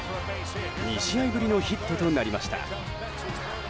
２試合ぶりのヒットとなりました。